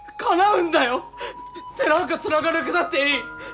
手なんかつながなくたっていい。